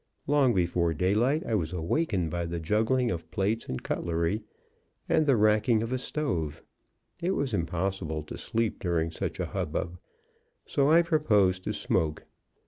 Long before daylight I was awakened by the juggling of plates and cutlery, and the racking of a stove. It was impossible to sleep during such a hubub, so I proposed to smoke.